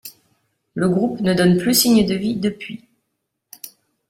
Le groupe ne donne plus signe de vie depuis.